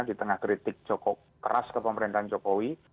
di tengah kritik keras kepemerintahan jokowi